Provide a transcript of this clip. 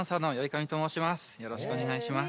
よろしくお願いします。